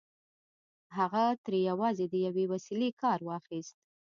هغه ترې یوازې د یوې وسيلې کار اخيست